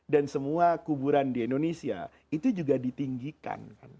dan semua kuburan di indonesia itu juga ditinggikan